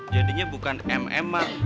jadinya bukan mm at